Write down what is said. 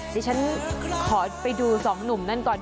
ดิฉันขอไปดูสองหนุ่มนั่นก่อน